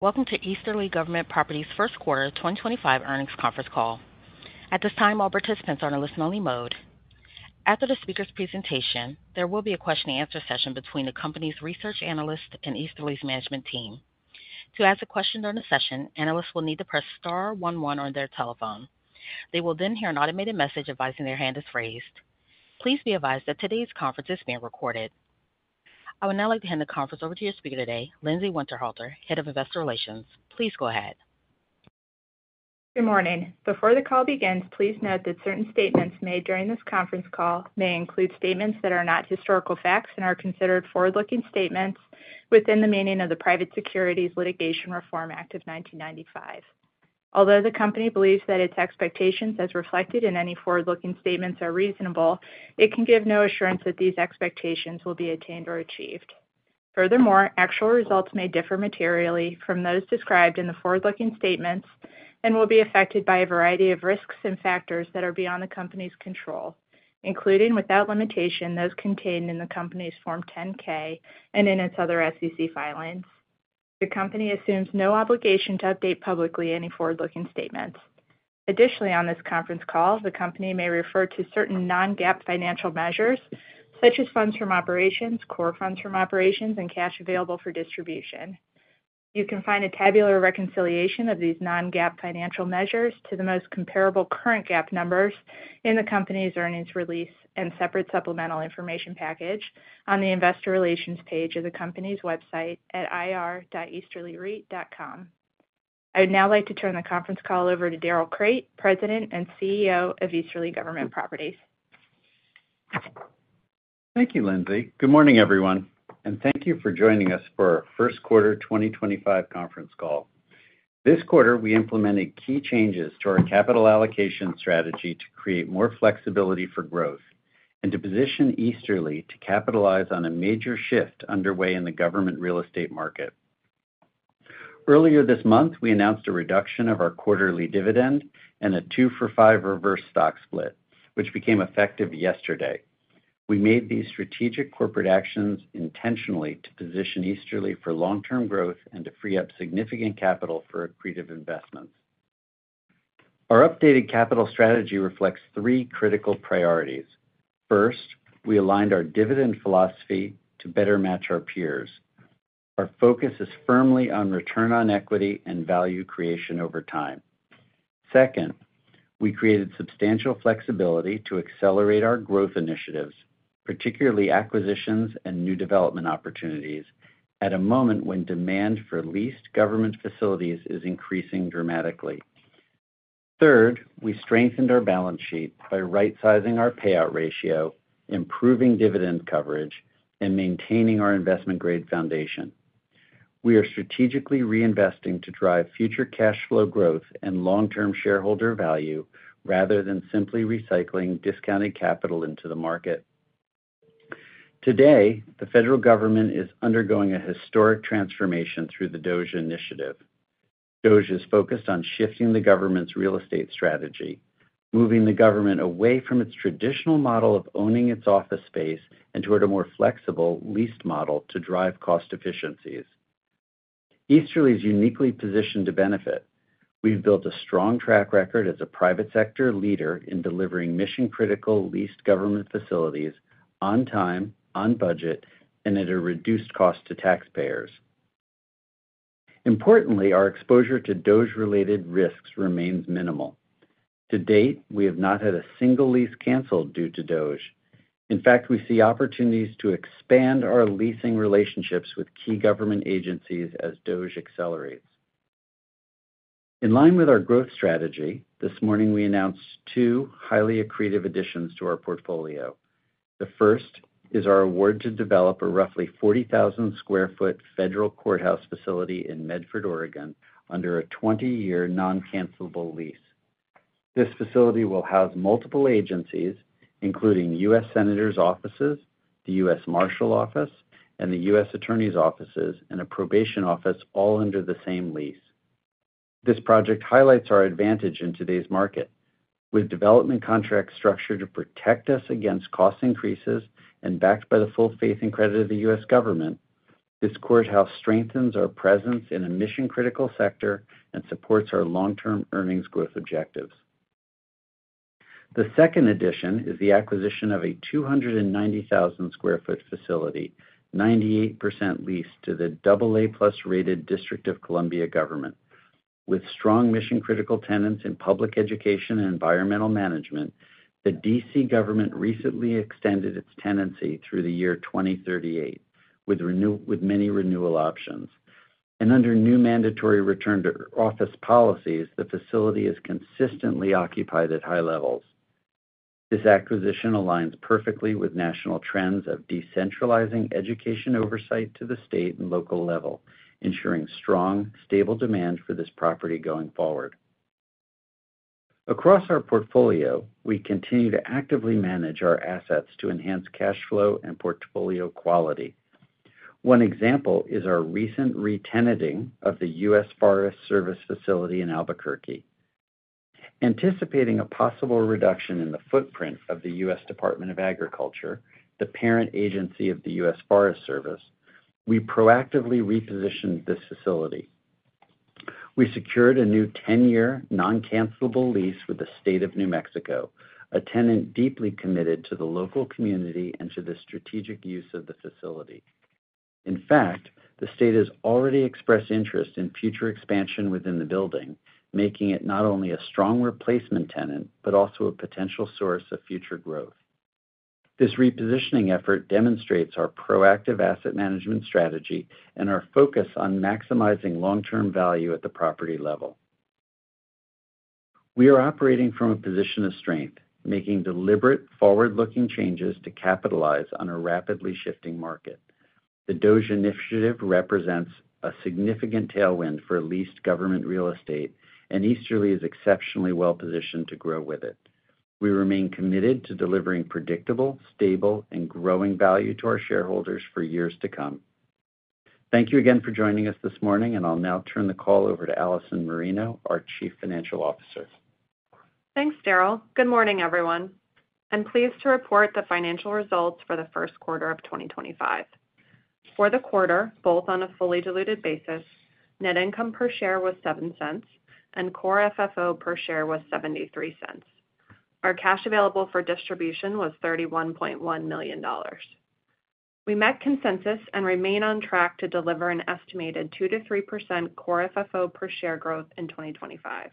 Welcome to Easterly Government Properties' Q1 2025 earnings conference call. At this time, all participants are in a listen-only mode. After the speaker's presentation, there will be a question-and-answer session between the company's research analyst and Easterly's management team. To ask a question during the session, analysts will need to press star 11 on their telephone. They will then hear an automated message advising their hand is raised. Please be advised that today's conference is being recorded. I would now like to hand the conference over to your speaker today, Lindsay Winterhalter, Head of Investor Relations. Please go ahead. Good morning. Before the call begins, please note that certain statements made during this conference call may include statements that are not historical facts and are considered forward-looking statements within the meaning of the Private Securities Litigation Reform Act of 1995. Although the company believes that its expectations, as reflected in any forward-looking statements, are reasonable, it can give no assurance that these expectations will be attained or achieved. Furthermore, actual results may differ materially from those described in the forward-looking statements and will be affected by a variety of risks and factors that are beyond the company's control, including, without limitation, those contained in the company's Form 10-K and in its other SEC filings. The company assumes no obligation to update publicly any forward-looking statements. Additionally, on this conference call, the company may refer to certain non-GAAP financial measures, such as funds from operations, core funds from operations, and cash available for distribution. You can find a tabular reconciliation of these non-GAAP financial measures to the most comparable current GAAP numbers in the company's earnings release and separate supplemental information package on the Investor Relations page of the company's website at ir.easterlyreit.com. I would now like to turn the conference call over to Darrell Crate, President and CEO of Easterly Government Properties. Thank you, Lindsay. Good morning, everyone, and thank you for joining us for our Q1 2025 conference call. This quarter, we implemented key changes to our capital allocation strategy to create more flexibility for growth and to position Easterly to capitalize on a major shift underway in the government real estate market. Earlier this month, we announced a reduction of our quarterly dividend and a two-for-five reverse stock split, which became effective yesterday. We made these strategic corporate actions intentionally to position Easterly for long-term growth and to free up significant capital for accretive investments. Our updated capital strategy reflects three critical priorities. First, we aligned our dividend philosophy to better match our peers. Our focus is firmly on return on equity and value creation over time. Second, we created substantial flexibility to accelerate our growth initiatives, particularly acquisitions and new development opportunities, at a moment when demand for leased government facilities is increasing dramatically. Third, we strengthened our balance sheet by right-sizing our payout ratio, improving dividend coverage, and maintaining our investment-grade foundation. We are strategically reinvesting to drive future cash flow growth and long-term shareholder value rather than simply recycling discounted capital into the market. Today, the federal government is undergoing a historic transformation through the DOGE initiative. DOGE is focused on shifting the government's real estate strategy, moving the government away from its traditional model of owning its office space and toward a more flexible leased model to drive cost efficiencies. Easterly is uniquely positioned to benefit. We've built a strong track record as a private sector leader in delivering mission-critical leased government facilities on time, on budget, and at a reduced cost to taxpayers. Importantly, our exposure to DOGE-related risks remains minimal. To date, we have not had a single lease canceled due to DOGE. In fact, we see opportunities to expand our leasing relationships with key government agencies as DOGE accelerates. In line with our growth strategy, this morning we announced two highly accretive additions to our portfolio. The first is our award to develop a roughly 40,000 sq ft federal courthouse facility in Medford, Oregon, under a 20-year non-cancelable lease. This facility will house multiple agencies, including US Senators' offices, the US Marshals Office, and the US Attorney's offices, and a probation office all under the same lease. This project highlights our advantage in today's market. With development contracts structured to protect us against cost increases and backed by the full faith and credit of the US government, this courthouse strengthens our presence in a mission-critical sector and supports our long-term earnings growth objectives. The second addition is the acquisition of a 290,000 sqft facility, 98% leased, to the AA+ rated District of Columbia government. With strong mission-critical tenants in public education and environmental management, the DC government recently extended its tenancy through the year 2038, with many renewal options. Under new mandatory return-to-office policies, the facility is consistently occupied at high levels. This acquisition aligns perfectly with national trends of decentralizing education oversight to the state and local level, ensuring strong, stable demand for this property going forward. Across our portfolio, we continue to actively manage our assets to enhance cash flow and portfolio quality. One example is our recent re-tenanting of the US Forest Service facility in Albuquerque. Anticipating a possible reduction in the footprint of the US Department of Agriculture, the parent agency of the US Forest Service, we proactively repositioned this facility. We secured a new 10-year non-cancelable lease with the state of New Mexico, a tenant deeply committed to the local community and to the strategic use of the facility. In fact, the state has already expressed interest in future expansion within the building, making it not only a strong replacement tenant but also a potential source of future growth. This repositioning effort demonstrates our proactive asset management strategy and our focus on maximizing long-term value at the property level. We are operating from a position of strength, making deliberate forward-looking changes to capitalize on a rapidly shifting market. The DOGE initiative represents a significant tailwind for leased government real estate, and Easterly is exceptionally well-positioned to grow with it. We remain committed to delivering predictable, stable, and growing value to our shareholders for years to come. Thank you again for joining us this morning, and I'll now turn the call over to Allison Marino, our Chief Financial Officer. Thanks, Darrell. Good morning, everyone. I'm pleased to report the financial results for the Q1 of 2025. For the quarter, both on a fully diluted basis, net income per share was $0.07 and core FFO per share was $0.73. Our cash available for distribution was $31.1 million. We met consensus and remain on track to deliver an estimated 2% to 3% core FFO per share growth in 2025.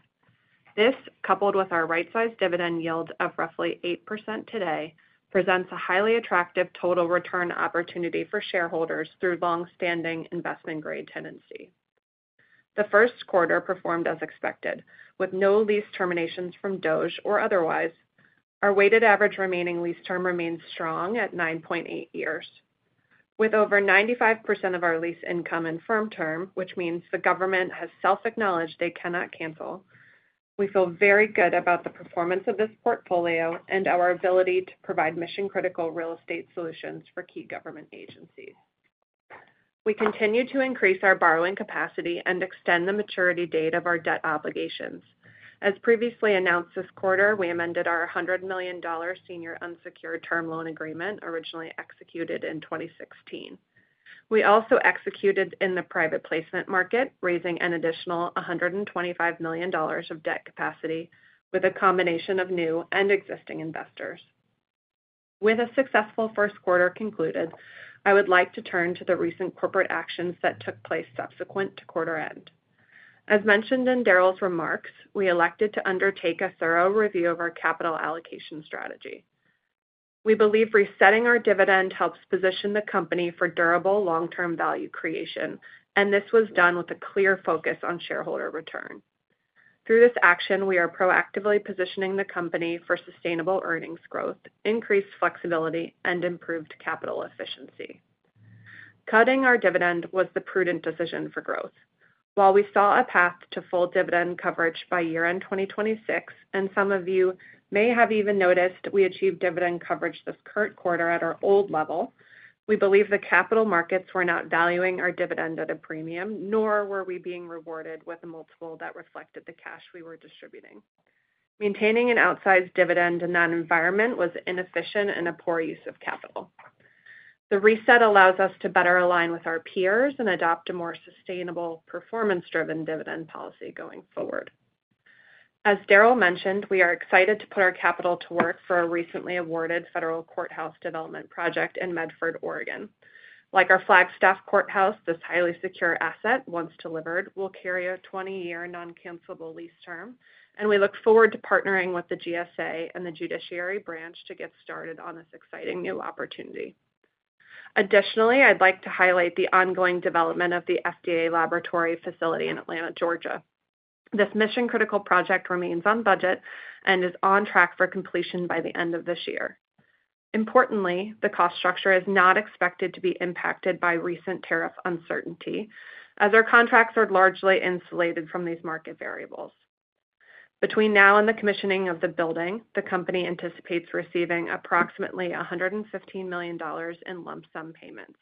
This, coupled with our right-sized dividend yield of roughly 8% today, presents a highly attractive total return opportunity for shareholders through long-standing investment-grade tenancy. The Q1 performed as expected, with no lease terminations from DOGE or otherwise. Our weighted average remaining lease term remains strong at 9.8 years. With over 95% of our lease income in firm term, which means the government has self-acknowledged they cannot cancel, we feel very good about the performance of this portfolio and our ability to provide mission-critical real estate solutions for key government agencies. We continue to increase our borrowing capacity and extend the maturity date of our debt obligations. As previously announced this quarter, we amended our $100 million senior unsecured term loan agreement originally executed in 2016. We also executed in the private placement market, raising an additional $125 million of debt capacity with a combination of new and existing investors. With a successful Q1 concluded, I would like to turn to the recent corporate actions that took place subsequent to quarter end. As mentioned in Darrell's remarks, we elected to undertake a thorough review of our capital allocation strategy. We believe resetting our dividend helps position the company for durable long-term value creation, and this was done with a clear focus on shareholder return. Through this action, we are proactively positioning the company for sustainable earnings growth, increased flexibility, and improved capital efficiency. Cutting our dividend was the prudent decision for growth. While we saw a path to full dividend coverage by year-end 2026, and some of you may have even noticed we achieved dividend coverage this current quarter at our old level, we believe the capital markets were not valuing our dividend at a premium, nor were we being rewarded with a multiple that reflected the cash we were distributing. Maintaining an outsized dividend in that environment was inefficient and a poor use of capital. The reset allows us to better align with our peers and adopt a more sustainable performance-driven dividend policy going forward. As Darrell mentioned, we are excited to put our capital to work for a recently awarded federal courthouse development project in Medford, Oregon. Like our Flagstaff courthouse, this highly secure asset, once delivered, will carry a 20-year non-cancelable lease term, and we look forward to partnering with the GSA and the judiciary branch to get started on this exciting new opportunity. Additionally, I'd like to highlight the ongoing development of the FDA laboratory facility in Atlanta, Georgia. This mission-critical project remains on budget and is on track for completion by the end of this year. Importantly, the cost structure is not expected to be impacted by recent tariff uncertainty, as our contracts are largely insulated from these market variables. Between now and the commissioning of the building, the company anticipates receiving approximately $115 million in lump sum payments.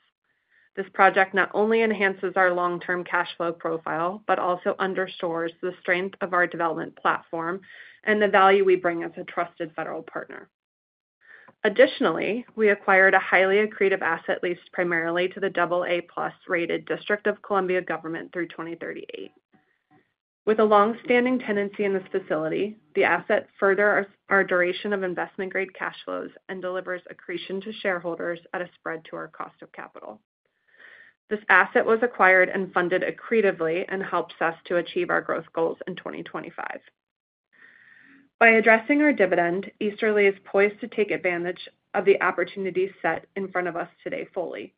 This project not only enhances our long-term cash flow profile but also underscores the strength of our development platform and the value we bring as a trusted federal partner. Additionally, we acquired a highly accretive asset leased primarily to the AA+ rated District of Columbia government through 2038. With a long-standing tenancy in this facility, the asset furthers our duration of investment-grade cash flows and delivers accretion to shareholders at a spread to our cost of capital. This asset was acquired and funded accretively and helps us to achieve our growth goals in 2025. By addressing our dividend, Easterly is poised to take advantage of the opportunities set in front of us today fully.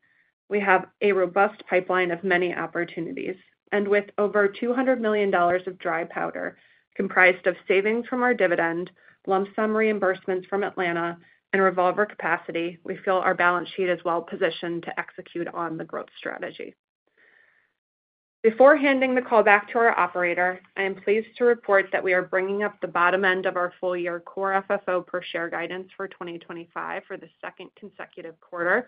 We have a robust pipeline of many opportunities, and with over $200 million of dry powder comprised of savings from our dividend, lump sum reimbursements from Atlanta, and revolver capacity, we feel our balance sheet is well-positioned to execute on the growth strategy. Before handing the call back to our operator, I am pleased to report that we are bringing up the bottom end of our full-year core FFO per share guidance for 2025 for the second consecutive quarter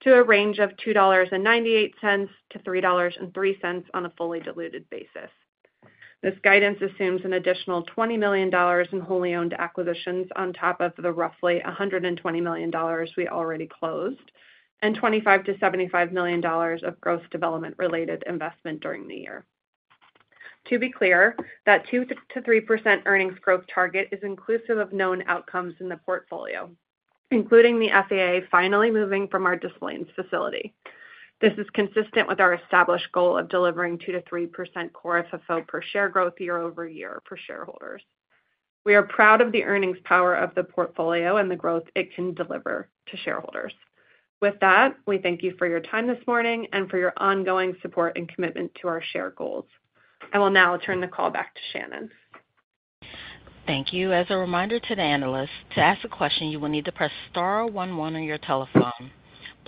to a range of $2.98-$3.03 on a fully diluted basis. This guidance assumes an additional $20 million in wholly owned acquisitions on top of the roughly $120 million we already closed and $25-$75 million of growth development-related investment during the year. To be clear, that 2% to 3% earnings growth target is inclusive of known outcomes in the portfolio, including the FAA finally moving from our Des Plaines facility. This is consistent with our established goal of delivering 2% to 3% core FFO per share growth year-over-year for shareholders. We are proud of the earnings power of the portfolio and the growth it can deliver to shareholders. With that, we thank you for your time this morning and for your ongoing support and commitment to our share goals. I will now turn the call back to Shannon. Thank you. As a reminder to the analysts, to ask a question, you will need to press star 11 on your telephone.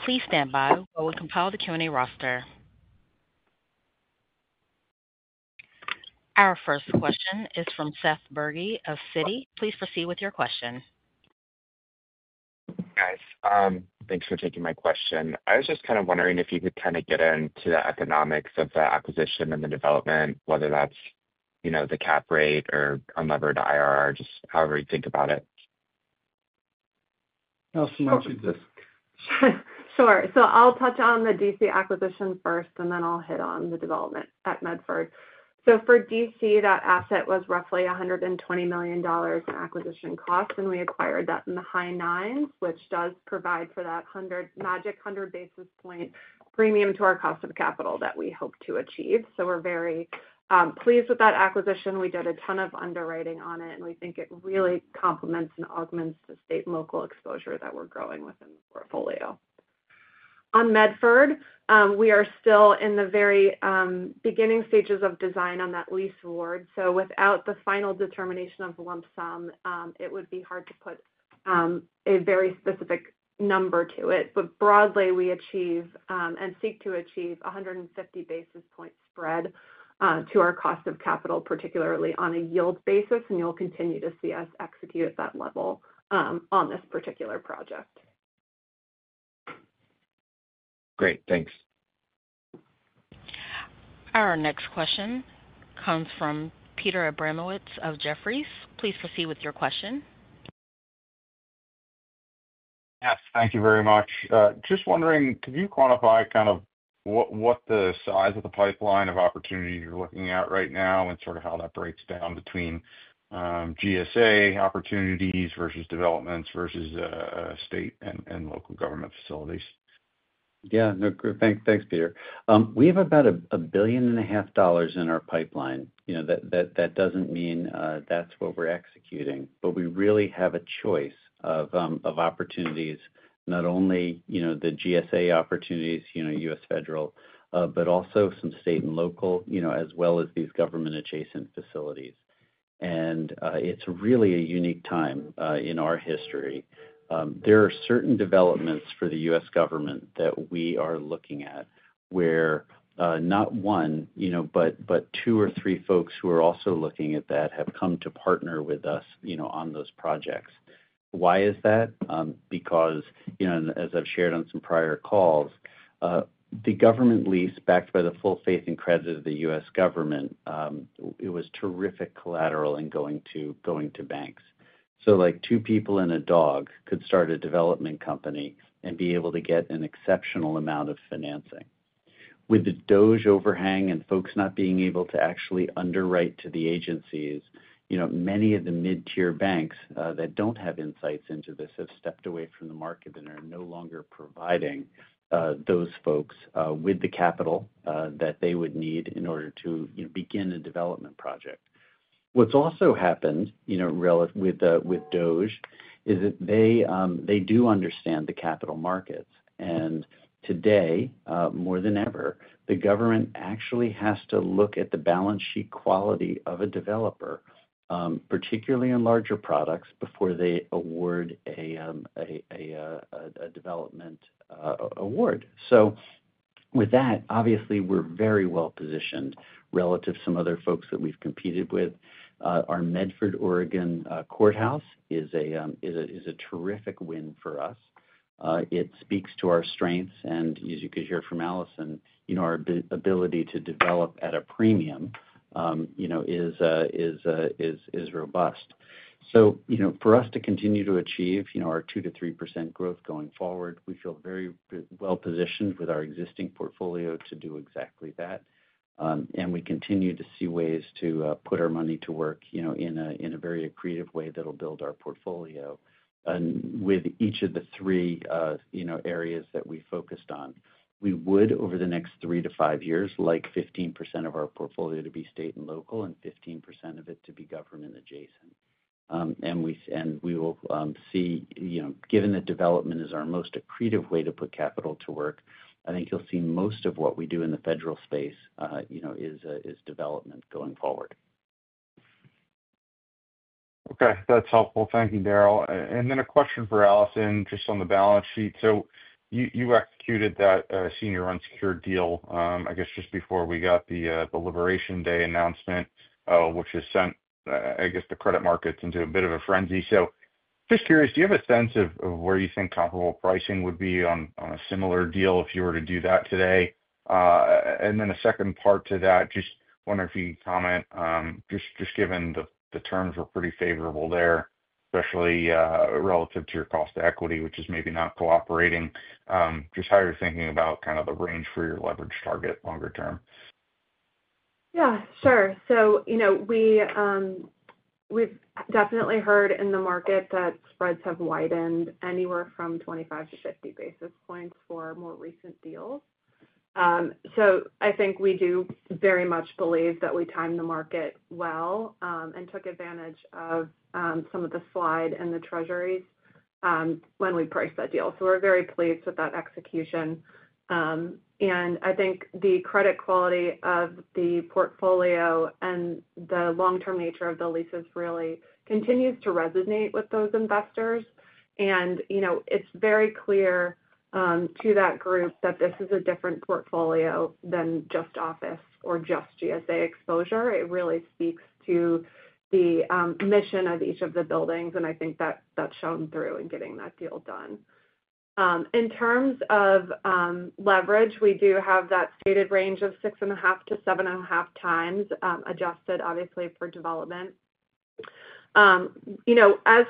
Please stand by while we compile the Q&A roster. Our first question is from Seth Bergey of Citi. Please proceed with your question. Hi, guys. Thanks for taking my question. I was just kind of wondering if you could kind of get into the economics of the acquisition and the development, whether that's the cap rate or unlevered IRR, just however you think about it. Allison, you take this. Sure. I'll touch on the DC acquisition first, and then I'll hit on the development at Medford. For DC, that asset was roughly $120 million in acquisition costs, and we acquired that in the high nines, which does provide for that magic 100 basis point premium to our cost of capital that we hope to achieve. We're very pleased with that acquisition. We did a ton of underwriting on it, and we think it really complements and augments the state and local exposure that we're growing within the portfolio. On Medford, we are still in the very beginning stages of design on that lease award. Without the final determination of the lump sum, it would be hard to put a very specific number to it. Broadly, we achieve and seek to achieve a 150 basis point spread to our cost of capital, particularly on a yield basis, and you'll continue to see us execute at that level on this particular project. Great. Thanks. Our next question comes from Peter Abramowitz of Jefferies. Please proceed with your question. Yes. Thank you very much. Just wondering, could you quantify kind of what the size of the pipeline of opportunity you're looking at right now and sort of how that breaks down between GSA opportunities versus developments versus state and local government facilities? Yeah. Thanks, Peter. We have about $1.5 billion in our pipeline. That does not mean that is what we are executing, but we really have a choice of opportunities, not only the GSA opportunities, US Federal, but also some state and local, as well as these government-adjacent facilities. It is really a unique time in our history. There are certain developments for the US government that we are looking at where not one, but two or three folks who are also looking at that have come to partner with us on those projects. Why is that? Because, as I have shared on some prior calls, the government lease backed by the full faith and credit of the US government, it was terrific collateral in going to banks. Two people and a dog could start a development company and be able to get an exceptional amount of financing. With the DOGE overhang and folks not being able to actually underwrite to the agencies, many of the mid-tier banks that do not have insights into this have stepped away from the market and are no longer providing those folks with the capital that they would need in order to begin a development project. What's also happened with DOGE is that they do understand the capital markets. Today, more than ever, the government actually has to look at the balance sheet quality of a developer, particularly in larger products, before they award a development award. With that, obviously, we're very well-positioned relative to some other folks that we've competed with. Our Medford, Oregon courthouse is a terrific win for us. It speaks to our strengths, and as you could hear from Allison, our ability to develop at a premium is robust. For us to continue to achieve our 2% to 3% growth going forward, we feel very well-positioned with our existing portfolio to do exactly that. We continue to see ways to put our money to work in a very accretive way that'll build our portfolio. With each of the three areas that we focused on, we would, over the next three to five years, like 15% of our portfolio to be state and local and 15% of it to be government-adjacent. We will see, given that development is our most accretive way to put capital to work, I think you'll see most of what we do in the federal space is development going forward. Okay. That's helpful. Thank you, Darrell. A question for Allison just on the balance sheet. You executed that senior unsecured deal, I guess, just before we got the liberation day announcement, which has sent, I guess, the credit markets into a bit of a frenzy. Just curious, do you have a sense of where you think comparable pricing would be on a similar deal if you were to do that today? A second part to that, just wondering if you can comment, just given the terms were pretty favorable there, especially relative to your cost equity, which is maybe not cooperating, just how you're thinking about kind of the range for your leverage target longer term. Yeah. Sure. We have definitely heard in the market that spreads have widened anywhere from 25 to 50 basis points for more recent deals. I think we do very much believe that we timed the market well and took advantage of some of the slide in the treasuries when we priced that deal. We are very pleased with that execution. I think the credit quality of the portfolio and the long-term nature of the leases really continues to resonate with those investors. It is very clear to that group that this is a different portfolio than just office or just GSA exposure. It really speaks to the mission of each of the buildings, and I think that has shown through in getting that deal done. In terms of leverage, we do have that stated range of six and a half to seven and a half times adjusted, obviously, for development. As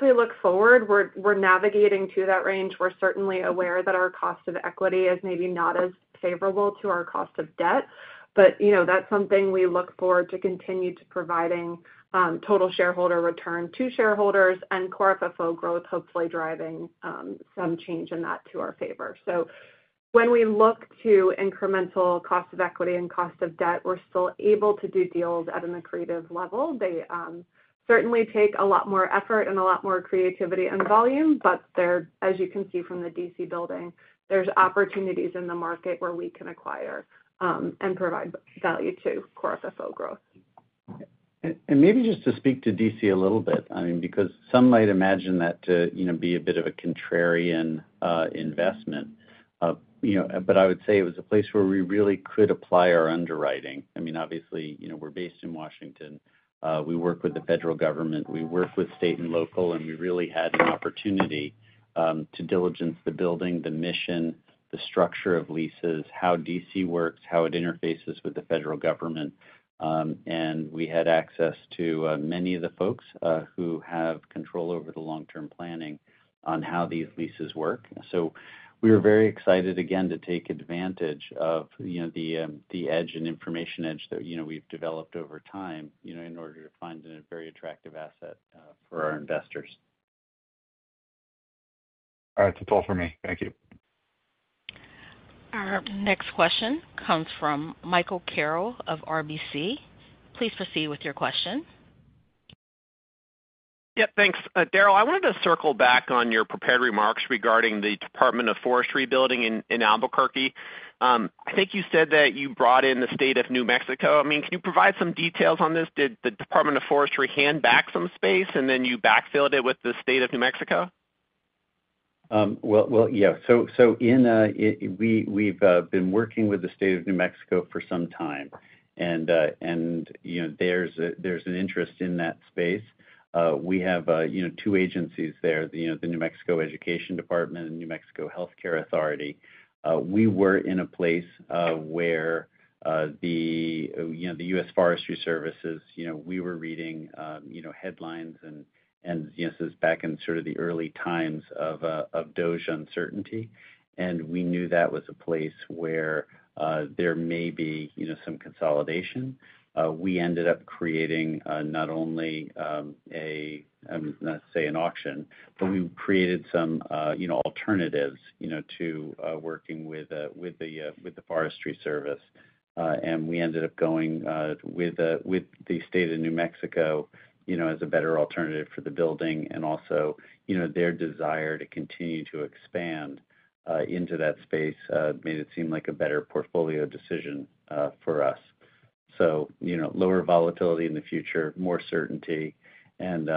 we look forward, we're navigating to that range. We're certainly aware that our cost of equity is maybe not as favorable to our cost of debt, but that's something we look forward to continue to providing total shareholder return to shareholders and core FFO growth, hopefully driving some change in that to our favor. When we look to incremental cost of equity and cost of debt, we're still able to do deals at an accretive level. They certainly take a lot more effort and a lot more creativity and volume, but as you can see from the DC building, there's opportunities in the market where we can acquire and provide value to core FFO growth. Maybe just to speak to DC a little bit, I mean, because some might imagine that to be a bit of a contrarian investment, but I would say it was a place where we really could apply our underwriting. I mean, obviously, we're based in Washington. We work with the federal government. We work with state and local, and we really had an opportunity to diligence the building, the mission, the structure of leases, how DC works, how it interfaces with the federal government. We had access to many of the folks who have control over the long-term planning on how these leases work. We were very excited, again, to take advantage of the edge and information edge that we've developed over time in order to find a very attractive asset for our investors. All right. That's all for me. Thank you. Our next question comes from Michael Carroll of RBC. Please proceed with your question. Yep. Thanks, Darrell. I wanted to circle back on your prepared remarks regarding the Department of Forestry building in Albuquerque. I think you said that you brought in the state of New Mexico. I mean, can you provide some details on this? Did the Department of Forestry hand back some space, and then you backfilled it with the state of New Mexico? Yeah. We've been working with the state of New Mexico for some time, and there's an interest in that space. We have two agencies there, the New Mexico Education Department and New Mexico Health Care Authority. We were in a place where the US Forest Service, we were reading headlines and this is back in sort of the early times of DOGE uncertainty. We knew that was a place where there may be some consolidation. We ended up creating not only a, let's say, an auction, but we created some alternatives to working with the Forest Service. We ended up going with the state of New Mexico as a better alternative for the building. Also, their desire to continue to expand into that space made it seem like a better portfolio decision for us. Lower volatility in the future, more certainty, and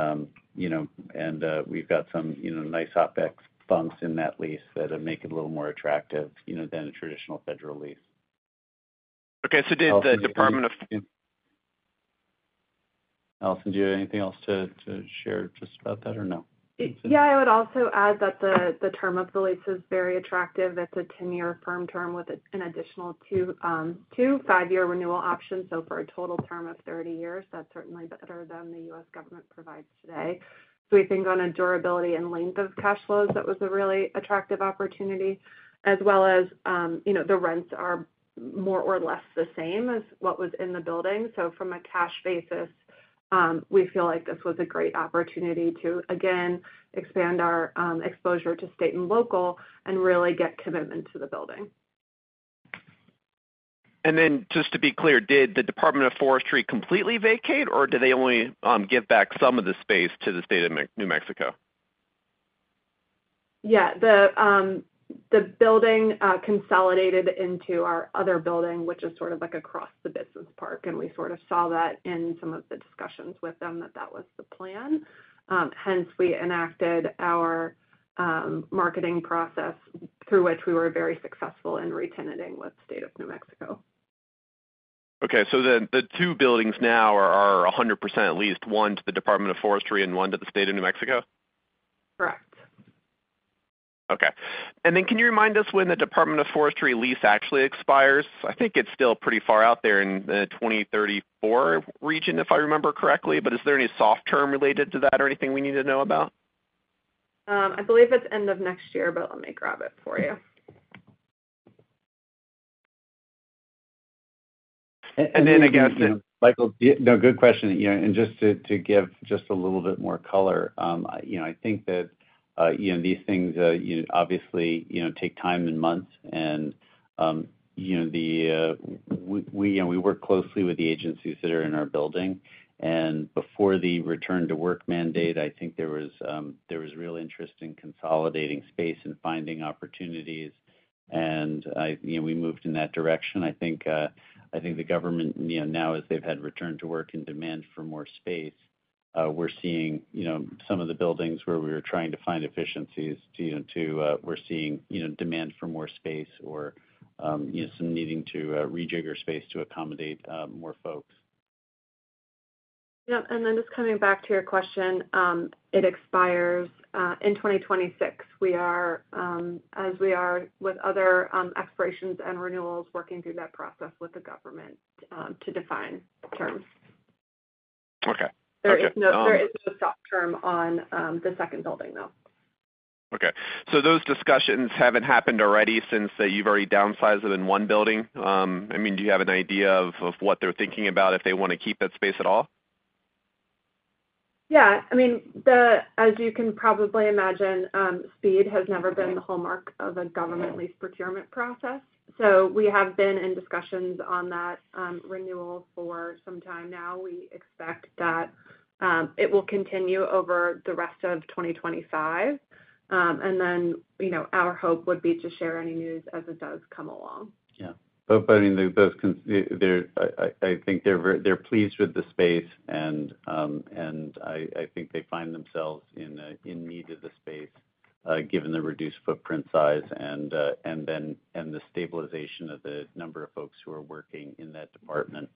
we've got some nice OpEx bumps in that lease that make it a little more attractive than a traditional federal lease. Okay. Did the Department of. Allison, do you have anything else to share just about that or no? Yeah. I would also add that the term of the lease is very attractive. It's a 10-year firm term with an additional two five-year renewal options. For a total term of 30 years, that's certainly better than the US government provides today. We think on a durability and length of cash flows, that was a really attractive opportunity, as well as the rents are more or less the same as what was in the building. From a cash basis, we feel like this was a great opportunity to, again, expand our exposure to state and local and really get commitment to the building. Just to be clear, did the Department of Forestry completely vacate, or did they only give back some of the space to the state of New Mexico? Yeah. The building consolidated into our other building, which is sort of across the business park. We sort of saw that in some of the discussions with them that that was the plan. Hence, we enacted our marketing process through which we were very successful in re-tenanting with the state of New Mexico. Okay. The two buildings now are 100% leased, one to the US Forest Service and one to the state of New Mexico? Correct. Okay. Can you remind us when the Department of Forestry lease actually expires? I think it's still pretty far out there in the 2034 region, if I remember correctly. Is there any soft term related to that or anything we need to know about? I believe it's end of next year, but let me grab it for you. I guess. Michael, no, good question. Just to give just a little bit more color, I think that these things obviously take time and months. We work closely with the agencies that are in our building. Before the return-to-work mandate, I think there was real interest in consolidating space and finding opportunities. We moved in that direction. I think the government now, as they've had return-to-work and demand for more space, we're seeing some of the buildings where we were trying to find efficiencies, we're seeing demand for more space or some needing to rejigger space to accommodate more folks. Yeah. Just coming back to your question, it expires in 2026. As we are with other expirations and renewals, working through that process with the government to define terms. Okay. Okay. There is no soft term on the second building, though. Okay. Those discussions have not happened already since you've already downsized them in one building? I mean, do you have an idea of what they're thinking about if they want to keep that space at all? Yeah. I mean, as you can probably imagine, speed has never been the hallmark of a government lease procurement process. We have been in discussions on that renewal for some time now. We expect that it will continue over the rest of 2025. Our hope would be to share any news as it does come along. I think they're pleased with the space, and I think they find themselves in need of the space given the reduced footprint size and the stabilization of the number of folks who are working in that department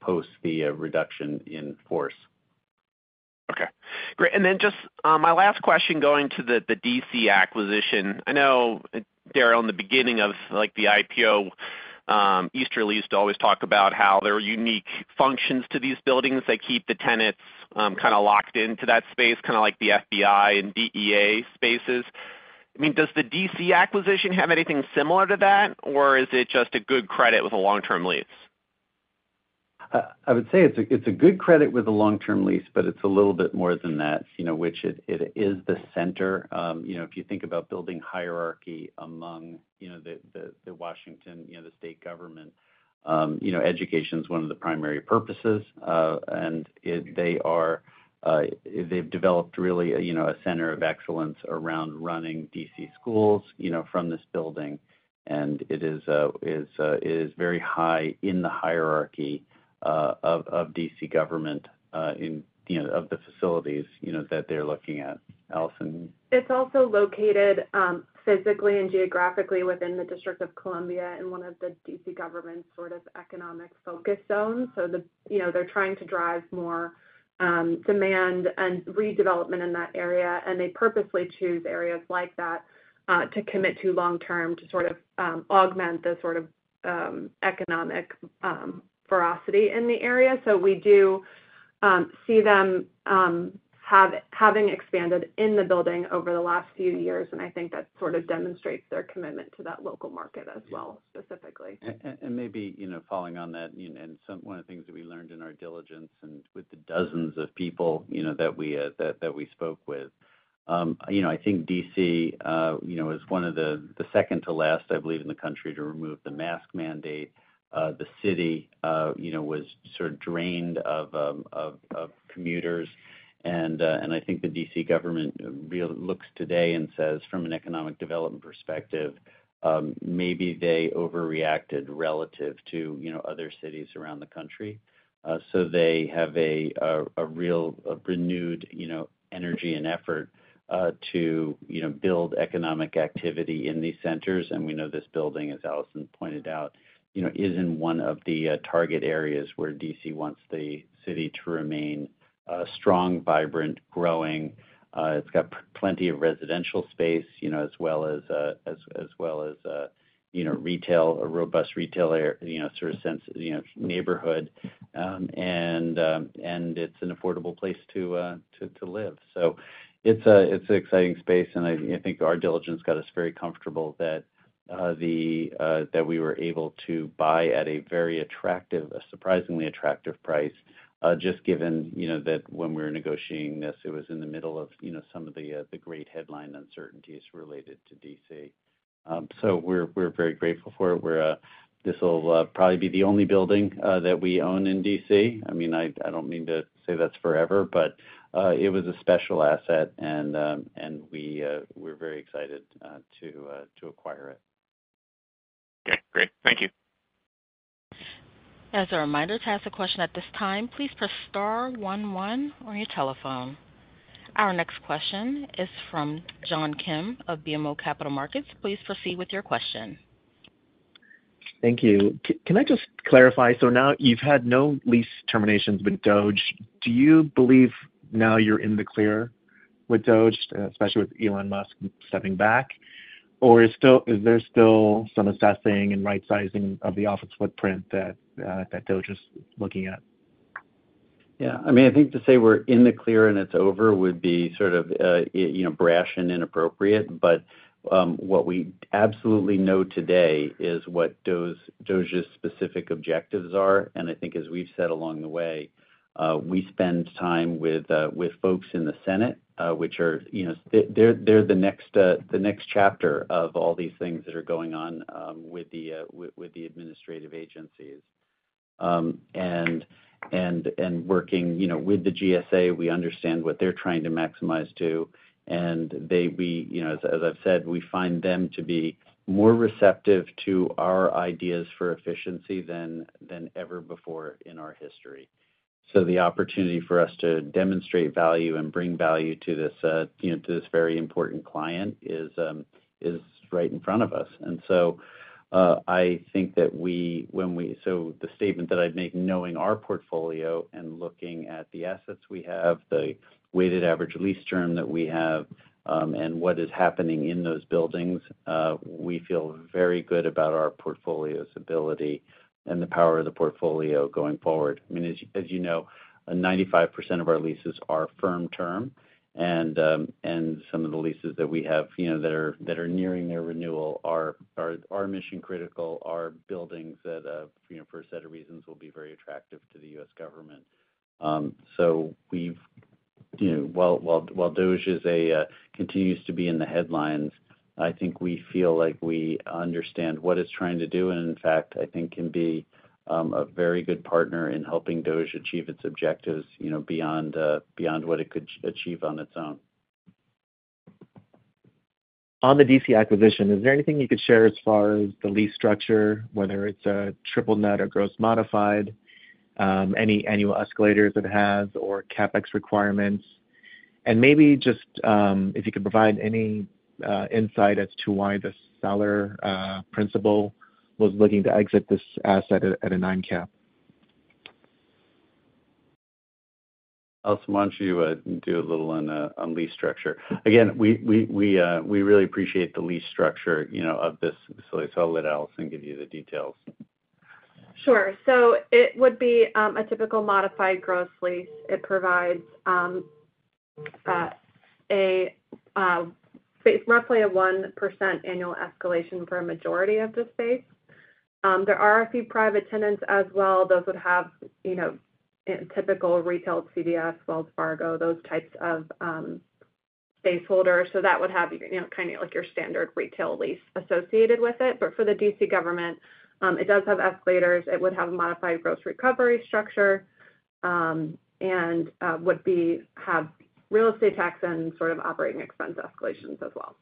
post the reduction in force. Okay. Great. Just my last question going to the DC acquisition. I know, Darrell, in the beginning of the IPO, Easterly used to always talk about how there were unique functions to these buildings that keep the tenants kind of locked into that space, kind of like the FBI and DEA spaces. I mean, does the DC acquisition have anything similar to that, or is it just a good credit with a long-term lease? I would say it's a good credit with a long-term lease, but it's a little bit more than that, which it is the center. If you think about building hierarchy among the Washington, the state government, education is one of the primary purposes. And they've developed really a center of excellence around running DC schools from this building. And it is very high in the hierarchy of DC government of the facilities that they're looking at. Allison. It's also located physically and geographically within the District of Columbia in one of the DC government's sort of economic focus zones. They are trying to drive more demand and redevelopment in that area. They purposely choose areas like that to commit to long-term to sort of augment the sort of economic ferocity in the area. We do see them having expanded in the building over the last few years. I think that sort of demonstrates their commitment to that local market as well, specifically. Maybe following on that, and one of the things that we learned in our diligence and with the dozens of people that we spoke with, I think DC was one of the second to last, I believe, in the country to remove the mask mandate. The city was sort of drained of commuters. I think the DC government looks today and says, from an economic development perspective, maybe they overreacted relative to other cities around the country. They have a real renewed energy and effort to build economic activity in these centers. We know this building, as Allison pointed out, is in one of the target areas where DC wants the city to remain strong, vibrant, growing. It's got plenty of residential space as well as retail, a robust retail sort of neighborhood. It's an affordable place to live. It's an exciting space. I think our diligence got us very comfortable that we were able to buy at a very attractive, a surprisingly attractive price, just given that when we were negotiating this, it was in the middle of some of the great headline uncertainties related to DC We are very grateful for it. This will probably be the only building that we own in DC I mean, I do not mean to say that is forever, but it was a special asset, and we are very excited to acquire it. Okay. Great. Thank you. As a reminder to ask a question at this time, please press star 11 on your telephone. Our next question is from John Kim of BMO Capital Markets. Please proceed with your question. Thank you. Can I just clarify? Now you've had no lease terminations with DOGE. Do you believe now you're in the clear with DOGE, especially with Elon Musk stepping back? Is there still some assessing and right-sizing of the office footprint that DOGE is looking at? Yeah. I mean, I think to say we're in the clear and it's over would be sort of brash and inappropriate. What we absolutely know today is what DOGE's specific objectives are. I think as we've said along the way, we spend time with folks in the Senate, which are they're the next chapter of all these things that are going on with the administrative agencies. Working with the GSA, we understand what they're trying to maximize to. As I've said, we find them to be more receptive to our ideas for efficiency than ever before in our history. The opportunity for us to demonstrate value and bring value to this very important client is right in front of us. I think that the statement that I'd make, knowing our portfolio and looking at the assets we have, the weighted average lease term that we have, and what is happening in those buildings, we feel very good about our portfolio's ability and the power of the portfolio going forward. I mean, as you know, 95% of our leases are firm term. Some of the leases that we have that are nearing their renewal are mission-critical, are buildings that, for a set of reasons, will be very attractive to the US government. While DOGE continues to be in the headlines, I think we feel like we understand what it's trying to do. In fact, I think we can be a very good partner in helping DOGE achieve its objectives beyond what it could achieve on its own. On the DC acquisition, is there anything you could share as far as the lease structure, whether it's a triple net or modified gross, any annual escalators it has, or CapEx requirements? Maybe just if you could provide any insight as to why the seller principal was looking to exit this asset at a nine cap. Allison, why don't you do a little on lease structure? Again, we really appreciate the lease structure of this. So I'll let Allison give you the details. Sure. It would be a typical modified gross lease. It provides roughly a 1% annual escalation for a majority of the space. There are a few private tenants as well. Those would have typical retail CDS, Wells Fargo, those types of space holders. That would have kind of your standard retail lease associated with it. For the DC government, it does have escalators. It would have a modified gross recovery structure and would have real estate tax and sort of operating expense escalations as well.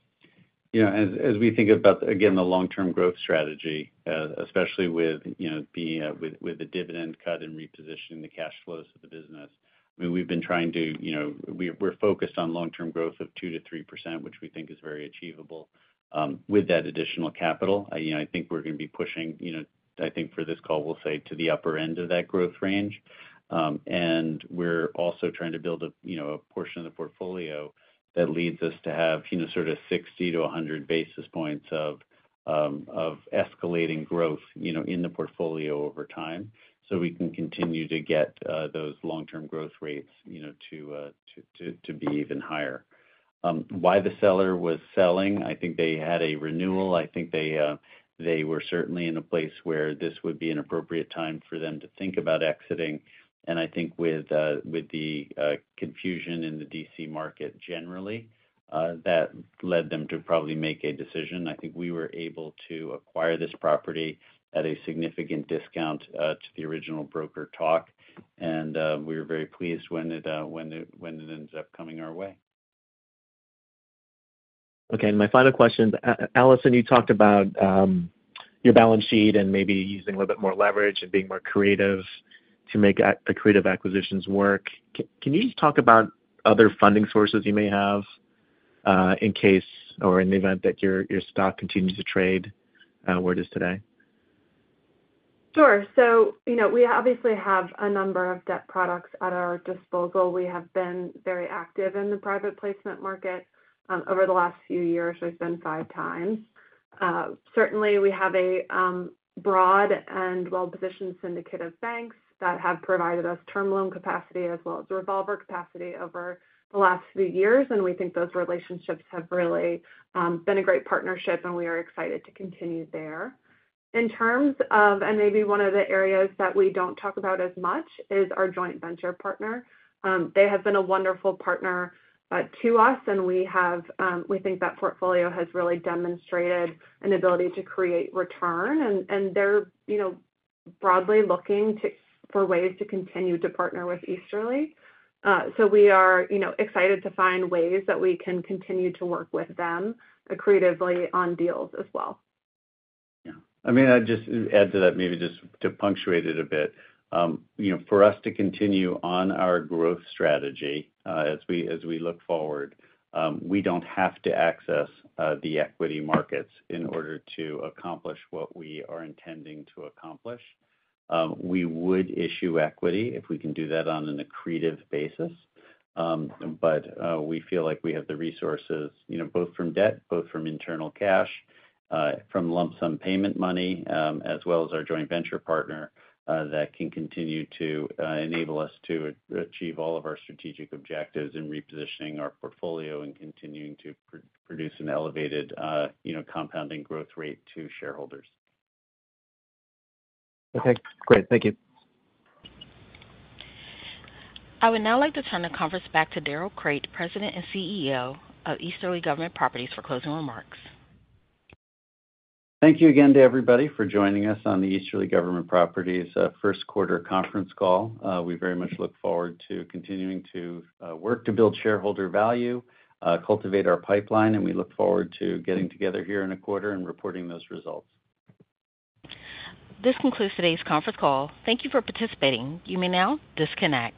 Yeah. As we think about, again, the long-term growth strategy, especially with the dividend cut and repositioning the cash flows of the business, I mean, we've been trying to we're focused on long-term growth of 2% to 3%, which we think is very achievable with that additional capital. I think we're going to be pushing, I think for this call, we'll say to the upper end of that growth range. We're also trying to build a portion of the portfolio that leads us to have sort of 60-100 basis points of escalating growth in the portfolio over time so we can continue to get those long-term growth rates to be even higher. Why the seller was selling, I think they had a renewal. I think they were certainly in a place where this would be an appropriate time for them to think about exiting. I think with the confusion in the DC market generally, that led them to probably make a decision. I think we were able to acquire this property at a significant discount to the original broker talk. We were very pleased when it ended up coming our way. Okay. My final question, Allison, you talked about your balance sheet and maybe using a little bit more leverage and being more creative to make creative acquisitions work. Can you just talk about other funding sources you may have in case or in the event that your stock continues to trade where it is today? Sure. We obviously have a number of debt products at our disposal. We have been very active in the private placement market over the last few years. We've been five times. We certainly have a broad and well-positioned syndicate of banks that have provided us term loan capacity as well as revolver capacity over the last few years. We think those relationships have really been a great partnership, and we are excited to continue there. In terms of, and maybe one of the areas that we don't talk about as much is our joint venture partner. They have been a wonderful partner to us, and we think that portfolio has really demonstrated an ability to create return. They're broadly looking for ways to continue to partner with Easterly. We are excited to find ways that we can continue to work with them creatively on deals as well. Yeah. I mean, I'd just add to that, maybe just to punctuate it a bit. For us to continue on our growth strategy as we look forward, we do not have to access the equity markets in order to accomplish what we are intending to accomplish. We would issue equity if we can do that on an accretive basis. We feel like we have the resources both from debt, both from internal cash, from lump sum payment money, as well as our joint venture partner that can continue to enable us to achieve all of our strategic objectives in repositioning our portfolio and continuing to produce an elevated compounding growth rate to shareholders. Okay. Great. Thank you. I would now like to turn the conference back to Darrell Crate, President and CEO of Easterly Government Properties, for closing remarks. Thank you again to everybody for joining us on the Easterly Government Properties Q1 conference call. We very much look forward to continuing to work to build shareholder value, cultivate our pipeline, and we look forward to getting together here in a quarter and reporting those results. This concludes today's conference call. Thank you for participating. You may now disconnect.